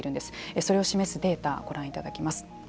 それを示すデータご覧いただきます。